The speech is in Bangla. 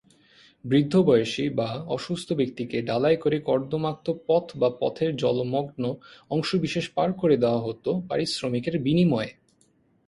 বৃদ্ধ বয়সী বা অসুস্থ ব্যক্তিকে ডালায় করে কর্দমাক্ত পথ বা পথের জলমগ্ন অংশবিশেষ পার করে দেয়া হত পারিশ্রমিকের বিনিময়ে।